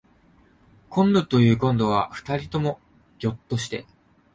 こんどというこんどは二人ともぎょっとして